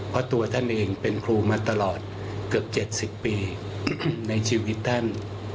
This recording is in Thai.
เพราะตัวท่านเองเป็นครูมาตลอดเกือบ๗๐ปีในชีวิตท่าน